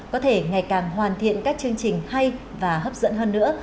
có thể ngày càng hoàn thiện các chương trình hay và hấp dẫn hơn nữa